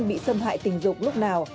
bị xâm hại tình dục lúc nào